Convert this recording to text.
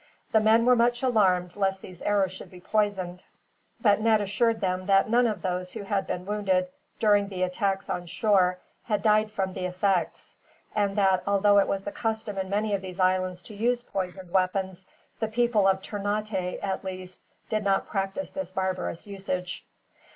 The men were much alarmed lest these arrows should be poisoned, but Ned assured them that none of those who had been wounded, during the attacks on shore, had died from the effects; and that, although it was the custom in many of these islands to use poisoned weapons, the people of Ternate, at least, did not practice this barbarous usage.